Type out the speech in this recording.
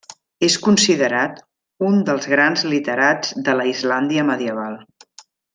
És considerat un dels grans literats de la Islàndia medieval.